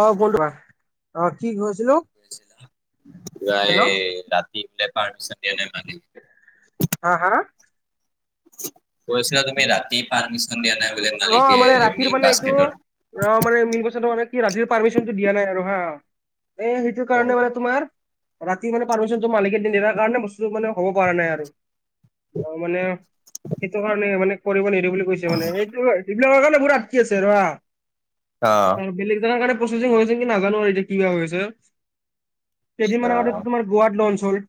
অ ক দা অ কি কৈছিলো গৈছিলা? যাই হেল্ল', [unintelligible] হা হা, কৈছিলা তুমি ৰাতি পাৰ্মিচন দিয়া নাই বুলি মালিকে পাছ গেটৰ, ৰ মানে মেইন কথাটো কি ৰাতিৰ পাৰ্মিচনটো দিয়া নাই আৰু হা এ সেইটো কাৰণে মানে তোমাৰ ৰাতি মানে পাৰ্মিচনটো মালিকে দি নিদিয়াৰ কাৰণে বস্তুটো মানে হ'ব পৰা নাই আৰু অ মানে সেইটো কাৰণে মানে কৰিব নিদো বুলি কৈছে মানে এই, [unintelligible] অ আৰু বেলেগ জেগাৰ কাৰণে প্ৰচেছিং হৈছে কি নাজানো আৰু এতিয়া কিবা হৈছে আচ্ছা কেইদিনমান আগতে তোমাৰ, গোৱাত লংঞ্চ হ'ল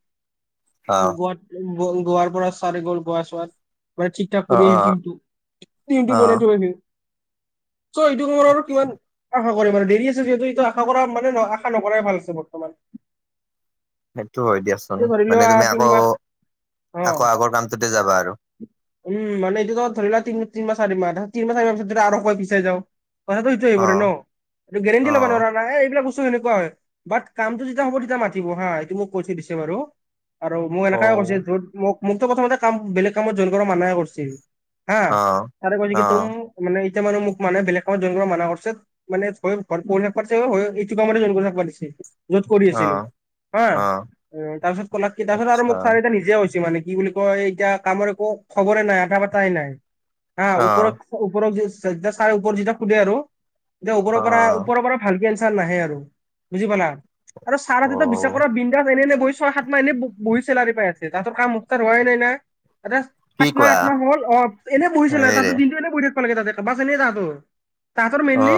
অ গোৱাত গোৱাৰ পৰা চাই গ'ল গোৱা চোৱাত, মই ঠিক ঠাক অ কৰি অ আহ অ কিন্তু বনাই থ, চ' এইটো মোৰ আৰু কিমান আশা কৰিম আৰু দেৰি আছে যিহেতু এইটো আশা কৰা মানে আশা নকৰাই ভাল আছে বৰ্তমান। সেইটো হয় দিয়াচোন এতিয়া ধৰি মানে লোৱা তুমি আকৌ তিনমাহ অ আকৌ আগৰ কামটোতে যাবা আৰু উম মানে এইটো ধৰিলা তিন তিনমাহ চাৰি মাহ তিনমাহ চাৰি মাহত পাছত আৰু অকনমান যদি পিচাই যাও। কথাটো সেইটো আহিব অ পৰে ন এইটো গেৰেণ্টি অ ল'বা নোৱাৰা। প্ৰাই এইবিলাক বস্তু হেনেকুৱা হৈ বাত কাম টো যেতিয়া হব তেতিয়া তেতিয়া মাতিব হা এইটো মোক কৈ থৈ দিছে বাৰু। আৰু মোক অ এনেকে কৰিছে য'ত মোক মোকতো প্ৰথমতে কাম বেলেগ কামত জইন কৰিব মানাই কৰিছল। হা অ তাৰে কৈছে অ কি তুম মানে এতিয়া মানুহ মোক মানে বেলেগ কামত জইন কৰিব মানা কৰিছে। মানে হয় পঢৰি থাকব দিছে হয় এইটো কাম জইন কৰিবা হাকবা দিছে। য'ত কৰি অ আছিলো হা অ তাৰপিছত কলাক কি তাৰপিছত আৰু আচ্ছা মোক চাৰহটা নিজে কৈছে মানে। কি বুলি কয় এতিয়া কামৰ একো খবৰে নাই আটা পাতাই নাই হা অ ওপৰত। ওপৰত যেতিয়া চাৰে ওপৰত যেতিয়া সুধে আৰু তেতিয়া ওপৰৰ অ পৰা ওপৰৰ পৰা। ভালকে এনচাৰ নাহে আৰু বুজি পালা আৰু ছাৰ অ হতেটো বিশ্বাস কৰা বিন্দাস ছয় সাত মাহ এনে বহি চেলাৰি পাই আছি তাহতৰ কাম ষ্টাৰ্ট হোৱাই নাই নাই দা। কি সাত মাহ কোৱা আঠ মাহ হ'ল অ এনে বহিছিলে তাতো হেৰে দিনটো এনে বহি থাকিব লাগে তাতে বাছ এনেই তাহাতো। তাহতৰ অ মেইনলি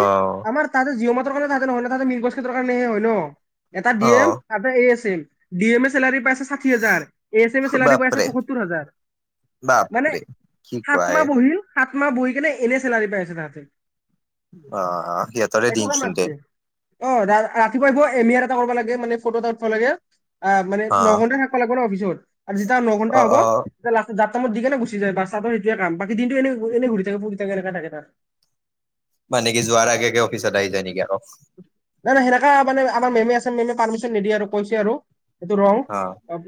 আমাৰ তাতে জিঅ মাতৰ কাৰণে তাতে নহয় ন তাতে মিগছ খটৰ কাৰণে হে হয় ন। এটা অ ডি এম এটা A S M D M A salary পাইছে। ষাঠি হাজাৰ এছ এম এ চেলাৰী ব আছে বাপৰে পয়সত্তৰ হাজাৰ। মানে বাপৰে কি সাত কোৱা এ মাহ বহিল সাত মাহ বহি কেনে এনে চেলাৰী পাই আছে তাহাঁতে। বাহ সিহঁতৰে দিন চুন দে। অঁ, ৰা ৰাতিপুৱা আহ এমিয়াৰ এটা কৰিব লাগে মানে ফটো এটা উঠিব লাগে অ মানে নঘনটা থ। লাগব ন অফিচত আৰু যেতিয়া ন অ ঘণ্টা অ হ'ব। লাষ্টদি কেনে গুি যায় বা চাদৰ সেইোৱোমাকী দিনটো এনে এনে ঘৰি থাকে ফু থে এনেকে থাকোত। মানে কি যোৱাৰ আগে আগে অফিচত আহি যায় নেকি আকৌ? নাই নাই সেনেকা মানে আমাৰ মেমে আছে মেমে পাৰমিচন নিদিয়ে আৰু কৈছে আৰু। সেইটো ৰং অ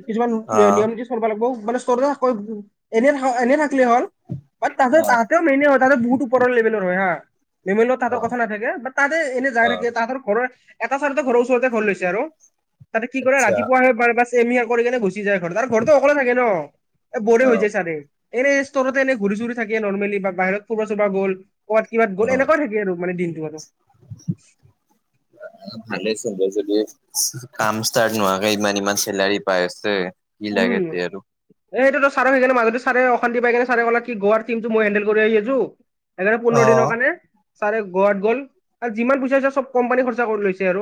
কিছুমান অ নিয়ম নীতি। লাগ মানে চ থ এনে এনে থাকিলে হল বাত তাহতে অ ত। মেইনে হয় ততে বহুত ওপৰ লেভেলৰ হয় হা লেভেলত অ তৰ কথা নাথাকে বা তা এনে যাই অ থাকে। তাহাঁতৰ ঘৰৰ এটা চাৰৰ ঘৰৰ ওচৰতে ঘৰ লৈছে আৰু তাতে কি কৰে আচ্ছা ৰাতিপুৱা। মিহাৰ কৰি কেনে গুচি যায় ঘৰত আৰু ঘৰতটো অকলে থাকে ন এ বৰে অ হৈ যায় ছাৰে। এনেই স্তৰেতে এনেই ঘূৰি চুৰি থাকে নৰ্মেলি বা বাহিৰ ফুৰবা চুৰবা গ'ল। ক'বাত কিবাত অ গ'ল এনেকুৱা থাকে আৰু মানে দিনটো আৰু। ভালে চোন যদি কাম ষ্টাৰ্ট নোহোৱাকে ইমান ইমান চেলাৰী পাই আছে। কি উম। লাগে তে আৰু এ সেইটো ছাৰে সেইকাৰে মাজতে চাৰে অশান্তি পাই কিনে চাৰে কলে কি গোৱাৰ টিমটো মই হেণ্ডেল কৰি আহি আছো। এড্ৰে অ পন্ধৰ দিনৰ কাৰণে। ছাৰে গোৱাত গ'ল আৰু যিমান পইচা হৈছে চব কোম্পানী খৰচা কৰি লৈছে আৰু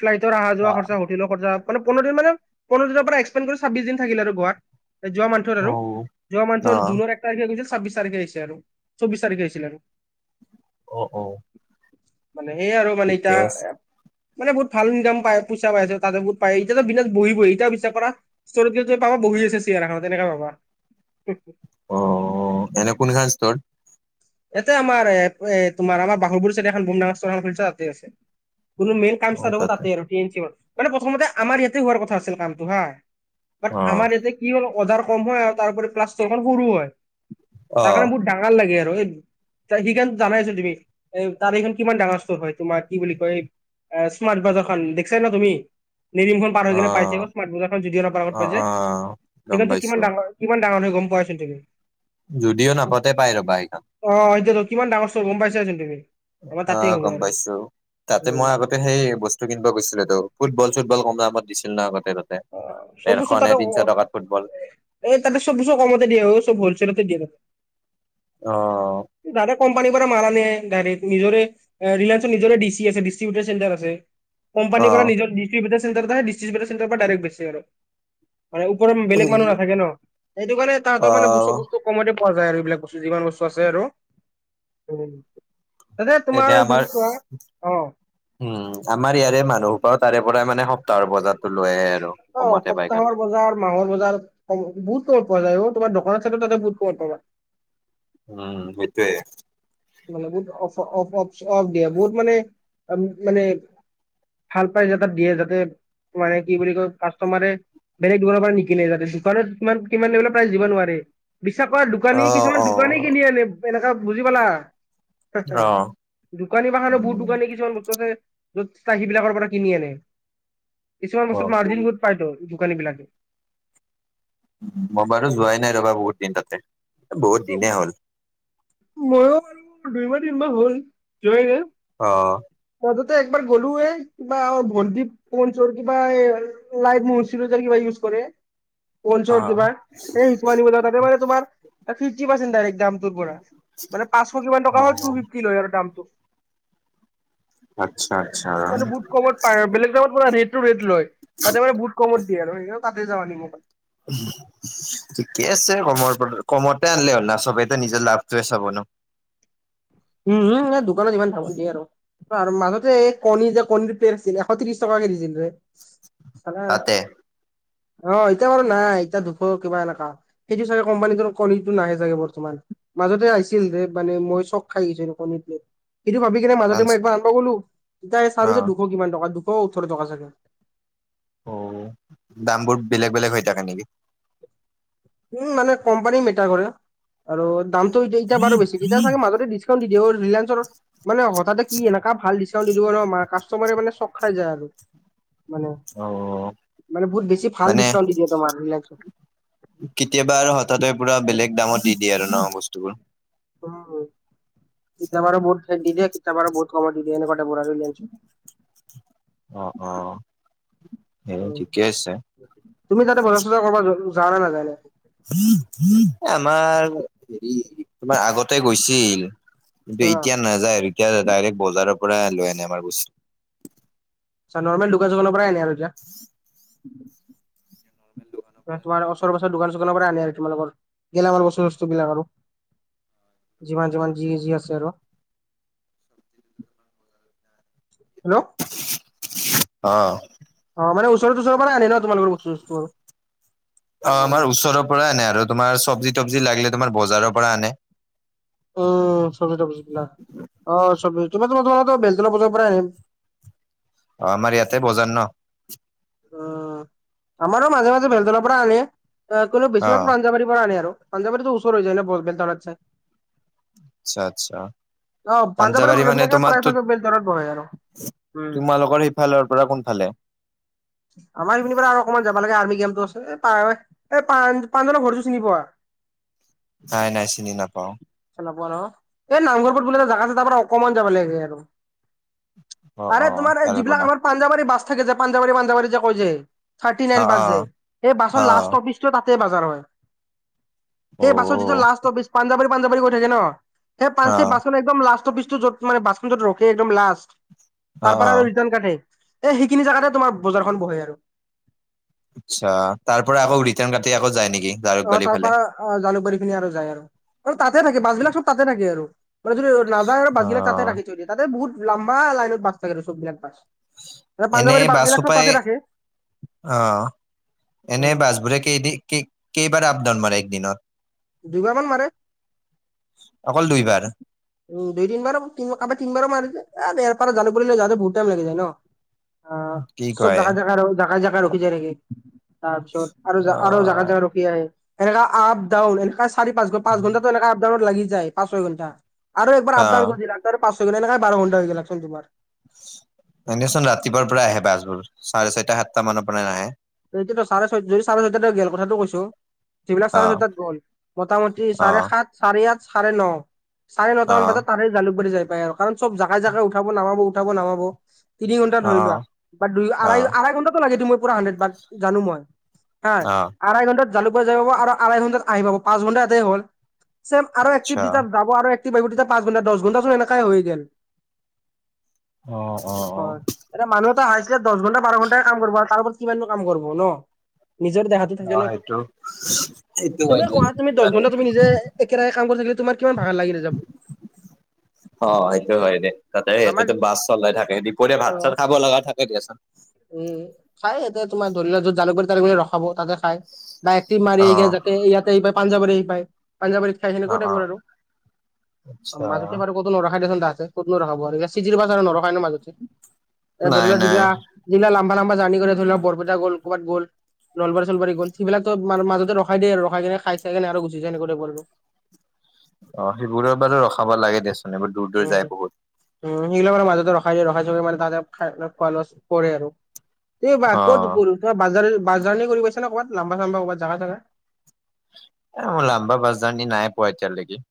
ফ্লাইটৰ অহা যোৱা অ খৰচা। মান পন্ধৰ দিন মানে পন্ধৰ দিনৰ পৰা একসপেণ্ কৰি ছাব্বিশ দিন থাকিলে আৰু গোৱাত। যোৱা মানথৰ আৰু যোৱা অ মানথৰ জুনৰ এক। তাৰিখে গৈচিল ছাব্বিশ তাৰিখেি আৰু চৌবিশ তাৰিখে আহিছিলে আৰু অ অ। মানে সেইয়া আৰু মানে ঠিকে এতিয়া। আছে মানে বহুত ভাল ইনকাম পইচা পাইছে তাতে বহত পায় এতিয়াটো বিনা বহি বহি এতিয়াও বিশ্বাস কৰা। স্তৰত গেলে তুমি পাবা বহি আছে ছেয়েৰ এখনত এনেকে পাবা। অঁ, এনে কোনখনষ্টৰ? ইয়াতে আমাৰ এ এ তোমাৰ আমাৰ বাগৰবোৰ চাই এখন বনখন খা তাতে আছে কোনো মেইন। কাম ষ্টাৰ্ট হব তাতে টীম মানে প্ৰথমতে আমাৰ ইয়াতে হোৱাৰ কথা আছিল কামটো হা। ব অ আমাৰ ইয়ায়া কি হল অজাৰ কম হয় আৰু তাৰৰি প্লাখন সৰু হয় অ তাৰ কাৰণে বহুত। ডাঙৰ লাগে, আৰু এই সেইকাৰণে জানাইছোন তুমি, এ তাত এইখন কিমান ডাঙৰ স্তৰ হয়, তোমাৰ কি বুলি কয় এই স্মাৰ্ট বাজাৰখন দেখিছানে তুমি নিৰিমখন। পাৰ হৈ কেনে পাইজে অ' স্মাৰ্ট বজাৰখন জিদি খনৰ আগত অ অ পাইজে গম সেইখনটো পাইছো কিমান ডাঙৰ। কিমান ডাঙৰ হৈ গ'ম পোৱাইচোন তুমি। যদিও নাপতে পাই জাবা সেইখন। অ' এতিয়াতো কিমান ডাঙৰ চ'ৰ গম পাইছাচোন তুমি। আমাৰ তাতেই অ' হ'ব গ'ম আৰু পাইছো, তাতে উম। মই আগতে ত' সেই বস্তু কিনিব গৈছিলেটো ফুটবল চুটবল ক'ম দামত দিছিল ন আগতে তাত। সব ডেৰশ বস্তু নে তাতে তিনিশ টকাত ফুটবল। এই তাতে চ'ব বস্তু কমতে দিয়ে অ' চ'ব হলছেলতে দিয়ে। অ' দাদা কোম্পানীৰ পৰা মাল আনে গাড়ীত নিজৰে। ৰিলায়ন্সৰ নিজৰ ডি চি আছে ডিষ্ট্ৰিবউটাৰ চেণ্টাৰ আছে। অ কোম্পানিৰ পৰা নিজৰ ডিষ্ট্ৰিবউটাৰ চণ্টাৰ যায়, ডিষ্ট্ৰিবেটাৰ চেণ্টাৰ পৰা ডাইৰেক বেচি আৰু। নাৰায়ন পুৰত বেলেগ মানুহ নাথাকে ন, সেইটো কাৰণে অ তাহাঁতৰ মানে বস্ত বস্তু কমতে পোৱা যায় আৰু এইবিলাক বস্তু যিমান বস্তু আছে আৰু। উম, তাতে এনে তোমাৰ আমাৰ যদি চোৱা অ'। উম, আমাৰ ইয়াৰে মানুহৰ সোপাই তাৰে পৰাই মানে সপ্তাহৰ বজাতো লৈ আহে আৰু অ কমতে পায় সপ্তাহৰ কাৰনে। বজাৰ মাহৰ বজাৰ বহুত ক'মত পোৱা যায় অ' তোমাৰ দোকানত থাকিও তাতে বহুত কম পাবা। উম, সেইটোৱে। মানে বহুত অ'ফ অ'ফ অ'ফ অ'ফ দিয়ে বহুত মানে মানে ভাল পাইজে তাত দিয়ে যাতে মানে কি বুলি কয় কাষ্টমাৰে বেলেগ দোকানৰ পৰা নিকিলে যাতে দোকানত কিমান কিমান লবেলত প্ৰাইজ দিব নোৱাৰে বিশ্বাস কৰা অ দোকানী কিছুমান অ দোকানী কিনি আনে এনেককা বুজি পালা। অ [unintelligible] দোকানী বাখানৰ বহুত উম দোকানী কিছুমান বস্তু আছে। য'ত চাহি বিলাকৰ পৰা কিনি আনে, কিছুমান অ বস্তুত মাৰ্জিন বহুত পাই তো দোকানী বিলাকে। মই বাৰো যোৱাই নাই ৰবা বহুত দিন তাতে বহুত দিনে হ'ল। ময়ো বাৰু দুইমাহ তিনমাহ হ'ল যোৱই নাই। অ'। মাজতে একবাৰ গ'লোৱে। কিবা আৰু ভন্টি পৌউনচৰ কিবা এই লাইতমোৰ হৈছিলে যে কিবা ইউজ কৰে। অ পৌঅ'ঞ্চৰ কিবা সেই ষ্টৰ্মাট বজাৰ তাতে মানে তোমাৰ ফিফটি পাৰ্চেণ্ট ডাৰেক্ট দামটোৰ পৰা। মানে পাঁশ কিমান টকা অ হল, টু ফিফটিলৈ আৰু দাম। আচ্ছা আচ্ছা মানে বহুত কমত পায়, বেলেগ দামত পৰা ৰেটটো ৰেট লয়। তাতে মানে বহুত কমত দিয়ে আৰু সেইকাৰণে তাতে যাও আনিবৰ। ঠিকে আছে, কমৰ কমতে আনিলে হ'ল না চবেইতে নিজৰ লাভটোৱে চাব ন। উম, উম, এই দুকানত ইমান কামোৰ দিয়ে আৰু। মাজতে এই কণী যে কণীৰ টেৰ আছিলে এশ ত্ৰিশ টকা কে দিছিল হে। মানে তাতে অ' এতিয়া বাৰু নাই এতিয়া দুখৰ কিবা এনেকা। সেইটো চাগে কোম্পানীটো কনীটো নাহে ছাগে বৰ্তমান, মাজতে আহিছিল যে মানে মই চক খাই গৈছো এইটো কনী প্লেট, সেইটো ভাবি কেনে মাজতে মই আনব গ'লো, তাই চালো অ যে দুশ কিমান টকা দু দুশৰ ওঠৰৰ টকা চাগে। অ' দাম বোৰ বেলেগ বেলেগ হৈ থাকে নেকি? উম, মানে কোম্পানীৰ মেটাৰ কৰে, আৰু দামটো এতিয়া এতিয়া বাৰু বেছি এতিয়া চাগে মাজতে দি ভিডিঅৰ ৰিলেঞ্চৰ' মানে হঠাতে কি এনকা ভাল দৃশ্য দিদিব ন কাষ্টমাৰে মানে চক য আৰু মানে অ মানে বহুত বেছি ভাল মানে ডিকাউণ্ট দি দিয়ে তোমাৰ কেতিয়াবা আৰু হঠাতে পুৰা বেলেগ দামত দি দিয়ে আৰু ন বস্তুবোৰ উম চীতাবাৰ বহুত দিদিয়ে চীতাপাৰ বহুত কমত দি দিয়ে এনেকোৱা টাইপৰ অ অ সেই উম। ঠিকে আছে তুমি তাতে বজা চজা কৰিব যাওঁ নে নেযাওঁ এনে আমাৰ হেৰি তোমাৰ আগতে গৈছিল কিন্তু এতিয়া নাযায় আৰু এতিয়া ডাইৰেক্ বজাৰৰ পৰা লৈ আনে আমাৰ বস্তু চ নৰ্মেল যোগাযোগৰ পৰাই আনে আৰু এতিয়া [unintelligible] [unintelligible] তোমাৰ ওচৰ পাছৰ দোকান চোকান পৰা আনে আৰু তোমালোক গেলামাল বস্তু চোটোবস্তু বিলাক আৰু যিমান যিমান যি যি আছে আৰু হেল্ল' অ অ মানে ওচৰ সুচৰ পৰাই আনে ন তোমালোকৰ বস্তু সস্তোবোৰ অ আমাৰ ওচৰৰ পৰা আনে আৰু তোমাৰ চব্জি তবজি লাগিলে তোমাৰ বজাৰৰ পৰা আনে উম চব্জি টোবজ্বি বিলাগ অ চব্জি তুমা তুমা বেলতলা বজাৰ পৰাই আহে অ আমাৰ ইয়াতে বজাৰ ন উম আমাৰো মাজে মাজে বেলতলাৰ পৰা আনে কোনো অ বেছিভাগ প্ৰাঞ্জাবাৰীৰ পৰা আনে আৰু পঞ্জাবী ওচৰ হৈ যায় ন বৰপেটাৰত চা আচ্ছা আচ্ছা অ পাঞ্জাবাৰীৰ পাঞ্জাৱাৰী মানুহ মানে বিলাকে তোমাৰো প্ৰায়ভাগ বেলতলাত বহে আৰু উম তোমালোকৰেই সেফালৰ পৰা কোন ফালে আমাৰ এইপিনৰ পৰা আৰু অকমান যাব লাগে আৰ্মি কেমটো আছে এ পাৰহৈ পঞ্জলৰ ঘৰটো চিনি পোৱা [unintelligible] নাই নাই চিনি নাপাও চলাব ন এই নামঘৰপ বুলি এটা জেগা আছে তাৰ পৰা অকমান যাব লাগে আৰু অ আৰে অ তোমাৰ এই তাৰে যিবিলাক পৰা আমাৰ পাঞ্জাবাৰী বাছ থাকে যে পাঞ্জাবাৰী পাঞ্জাৱাৰী যে কয় যে থাৰ্টি অ অ নাইন বাছ যে সেই অ বাছৰ লাষ্ট অফিচ তাতে বাজাৰ হয় অ সেই বাছত যিটো লাষ্ট অফিচ পাঞ্জাৱাৰী পাঞ্জাৱাৰী গৈ থাকে ন সেই অ পাঁচচি পাচত একদম লাষ্ট অফিচটোত য'ত মানে বাছ য'ত ৰখে একদম লাষ্ট অ তাৰ পৰা অ আৰু ৰিটাৰ্ণ কাটে এ সেইখিনি জেগাতে তোমাৰ বজাৰখন বহে আৰু আচ্ছা তাৰ পৰা আকৌ ৰিটাৰ্ণ কাটি আকৌ যায় নেকি অ জাৰকবালি তাৰ ফালে পৰা অ জালুকবাৰী পিনে আৰু যায় আৰু আৰু তাতে থাকে বাছ বিলাক চব তাতে থাকে আৰু মানে যদি নাযায় আৰু অ বাছবিলাক তাতে ৰাখি থৈ দিয়ে তাতে বহুত লাম্বা লাইনত বাছ থাকে ৰ চববিলাক বাছ এনেই পাঞ্জাবাৰী বাছবিলাক চব বাসপাই তাতে ৰাখে অ অ এনে বাছবোৰে কেইদি কি কেইবাৰা আপ ডাউন মাৰে একদিনত দুই বাৰ মান মাৰে অকল দুইবাৰ উম দুই তিনবাৰ তিনবাৰ মাৰে য এয়াৰ পৰা জালুকবাৰিলৈ যাওঁতে বহুত টাইম লাগি যায় ন অ কি চব কয় জাগা জাগা জাগা জাগা ৰখি যায় থাকে তাৰপিছত আৰু অ আৰু জাগাই জাগাই ৰখি আহে এনেকা আপ ডাউন এনে চাৰি পাঁচ পাঁচ ঘণ্টাটো এনেকা আপডাউনত লাগি যায়া পাঁচ ছয় ঘণ্টা আৰু একবাৰ অ আপডাউন কৰি তাৰে পাচঁ হৈ গ নাই বাৰ ঘণ্টা হৈ গ ল চোন তোমাৰ এনেচোন ৰাতিপুৱাৰ পৰা আহে বাছবোৰ চাৰে চাৰিটা সাতটা মানৰ পৰা নাহে সেইটোট চাৰে ছয় যদি চাৰে ছয়টা গেল কথাটো কৈছো যিবিলাক অ চাৰে চটাত গল মোটামুটি চাৰে অ সাত চাৰে আঠ চাৰে ন চাৰে নটাামান বজাত অ', তাৰে জালুকবাৰী যাই পায় অ কাৰণ চব জাগাই জোগাই উঠাব নামাব উঠাব নামাব তিনি ঘণ্টা ধৰি লোৱা অ', বা দুই আ অ', আঢাই ঘণ্টাটো লাগে তু মই পুৰা হাণ্ড্ৰেড বা জানো মই হা অ', আঢ়াই ঘন্টাত জালুকবাৰী যাই পাব আৰু আঢ়াই ঘন্টাত আহি পাব পাঁচ ঘণ্টা ইয়াতে হ'ল চেম আৰু আচ্ছা এক্টিভিতাৰ যাব আৰু [unintelligible] তেতিয়া পাঁচ ঘন্টা দশ ঘন্টা চোন এনেকাই হৈ গল অ', অ', অ', হয় [unintelligible] এ মানুহ এটা আহিছিলে দহ ঘণ্টা বাৰ ঘণ্টাই কাম কৰিব আৰু তাৰ ওৰত কিমাননো কাম কৰিব ন নিজৰ দেহাতো থাকে অ', ন সেইটো সেইটো তুমি হয় কোৱা দিয়াচোন তুমি দহ ইমান ঘণ্টা তুমি নিজে কাম একে তোমাৰ কিমান ভাগৰ লাগি যাব অ সেইটো হয় দে তাতে আমাৰ তাতে বাছ চলাই থাকে দুপৰীয়া অ ভাত চাত খাব লগা থাকে এ দিয়াচোন উম খাই এতে তোমাৰ ধৰি লোৱাত জালুকবাৰী তালুক বাৰিত ৰখাব তাতে খাই বা একটিভ মাৰি আহি কিনে অ', যাতে ইয়াতে এইবাৰ পাঞ্জাবাৰীত পায় পাঞ্জাবাৰী [unintelligible] অ', অ', আচ্ছা কত নৰখাই দে চোন তাতে কতনো ৰখাব আৰু [unintelligible] নৰখায় ন মাজতে এতি ধৰি নাই নাই লোৱা [unintelligible] যিলাক লাম্বা লম্বা জাৰ্নি কৰি ধৰি লোৱা বৰপেটা গ'ল'কৰবাত গ'ল নলবাৰী চলবাৰী গল সেইবিলাকো মাজতে ৰখাই দিয়ে ৰখাই কেনে খাই কিনে গুচি যায় এনেকৈ [unintelligible] অ সেইবোৰৰ বাৰু ৰখাব লাগে দেয়চোন এইবোৰ দূৰ দূৰ যায় বহুত উ সেইগিলাক মানে মাজতে ৰখা যায় ৰখা য মে ততে খাই [unintelligible] কৰে আৰু এই বা কত অ', গল বাৰ বাৰ্জানি কৰিব পাইছা না ক'বাত নাম্বা চম্বাৰ ক'ৰবাত জাগা জাগা এ মোৰ লাম্বা বাছৰ্জানী নাই পোৱা এতিয়ালৈকে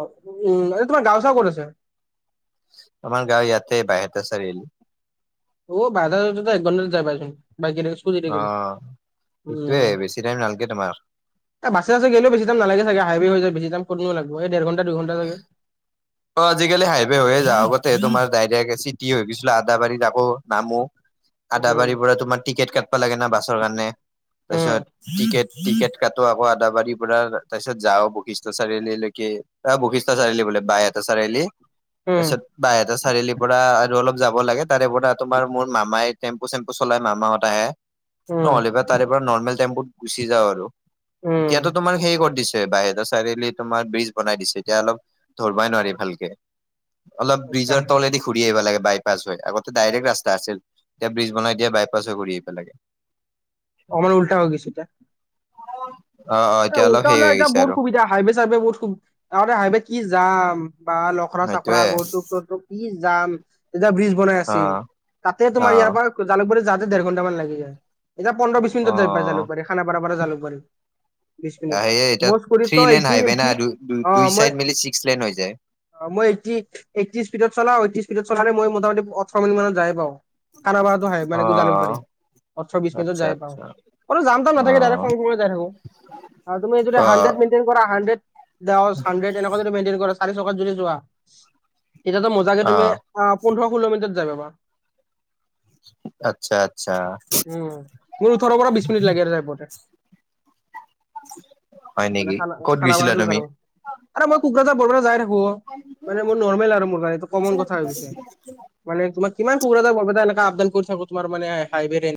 অ উম এই তোমাৰ গাওঁ চাওঁ ক'ত আছে আমাৰ গাঁও ইয়াতে বাইহাটা চাৰিআলি [unintelligible] অ' সেইটোৱে উম, বেছি টাইম নালাগে তোমাৰ। এ বাছে চাছে গেলে'ও বেছি টাইম নালাগে চাগে হাইৱে হৈ যায় বেছি টাইম ক'তনো লাগিব এই ডেৰ ঘণ্টা দুঘন্টা। লাগে অ আজিকালি হাইৱে হৈয়ে যাওঁ আগতে তোমাৰ ডাইৰেক্ট এচিটি হৈ গৈছিলো আদাবাৰী আকৌ নামো। [inaudible] আদাবাৰীৰ পৰা তোমাৰ টিকেট কাটবা লাগে না বাছৰ কাৰণে তাৰপিছত উম, টিকেট টিকেট কটো আকৌ আদাবাৰীৰ পৰা তাৰপিছত যাওঁ বৈশিষ্ঠ চাৰিআলিৰ লৈকে। বশিষ্ঠ চাৰিআলি বোলে বায়ে এটা চাৰিআলি তাৰ উম, পিছত বাহ এটা চাৰিআলিৰ পৰা আৰু অলপ যাব লাগে। তাৰে পৰা তোমাৰ মোৰ মামাই টেম্পু চেম্পু চলাই মামাহত আহে উম, নহ'লেবা তাৰে। নৰ্মেল টেম্পুত গুচি যাওঁ আৰু এতিয়াতো উম, তোমাৰ সেই কৰি দিছে। এ বাইহাটা চাৰিআলি তোমাৰ ব্ৰিজ বনাই দিছে এতিয়া অলপ ধৰিবাই নোৱাৰি ভালকে অলপ আচ্ছা ব্ৰিজৰ তলেদি ঘূৰি আহিব লাগে বাইপাছ হৈ আগতে ডাইৰেক্ট ৰাস্তা আছিল। এতিয়া ব্ৰিজ বনাই দিয়া বাইপাছ হৈ ঘুৰি আহিব লাগে। আমাৰ উল্টা হৈ গৈছে এতিয়া। [unintelligible] এতিয়া অলপ উল্টা হেৰি হ'লেও হৈ এতিয়া গৈছে বহুত আৰু সুবিধা হাইৱে চাইৱে বহুত সুবিধ আৰে হাইৱেত কি যাম বা অখৰা চাখৰা সেইটোয়ে গৰচোকটোতো কি যাম তেতিয়া ব্ৰিজ বনাই অ আছিল তাতে অ তোমাৰ ইয়াৰ পৰা জালুকবাৰী যাতে দেৰ ঘণ্টামান লাগি যায়, এতিয়া পোধ্ৰ বিশ অ মিনিত যাই পাই জালুকবাৰী, খানাপাৰাৰ পৰা জালুকবাৰী। বিশ মিনিট, সেয়ে এতিয়া মোৰ স্কুতিত থ্ৰী ত লেন এইটি হাইৱে না এইটি দু দু দুই অ' মই চাইড মিলি ছিক্স লেন হৈ যায় অ' মই এইটি, এইটি স্পীডত চলাওঁ এইটি স্পীডত চলালে, মই মোটামুটি ওঠৰ মিনিত মানত যায়ে পাওঁ। খানাপাৰাতো হয়, মানে অ জালুকবাৰী। ওঠৰ বিশ মিনটত আচ্ছা যাই পাওঁ, আচ্ছা আৰু যাম অ নাথাকে ডাইৰেক শংকলৈ যাই থাকো। আৰু তুমি যদি অ হাড্ৰেড মেইনতেন কৰা হাড্ৰে, হাড্ৰে এনেকুৱা যদি মেইনতেন কৰা চাৰি চকাত যদি যোৱা, তেতিয়াতো মজাকে অ তুমি আহ, পোন্ধৰ ষোল্ল মিনিটত যায় পাবা। আচ্ছা আচ্ছা উম, মোৰ ওঠৰৰ পৰা বিশ মিনিট লাগে যায় পোৱাতে। হয় মানে নেকি খানা, ক'ত গৈছিলা খানাপাৰাটো তুমি জালুক আৰে মই কোকৰাঝাৰ বৰবাৰি যাই থাকো অ', মানে মোৰ নৰ্মেল আৰু মোৰ কানে এইটো কমন কথা হৈ গৈছে। মানে তোমাক কিমান কুকৰাঝাৰ বৰপেটা এনেকা আবদান কৰি থাকো তোমাৰ মানে হাইৱেৰে।